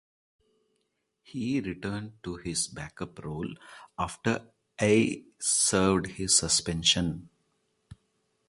He returned to his back up role after Ayi served his suspension.